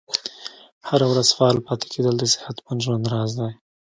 هره ورځ فعال پاتې کیدل د صحتمند ژوند راز دی.